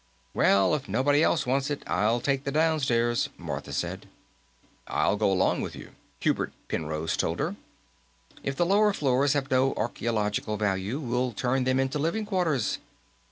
"Well, if nobody else wants it, I'll take the downstairs," Martha said. "I'll go along with you," Hubert Penrose told her. "If the lower floors have no archaeological value, we'll turn them into living quarters.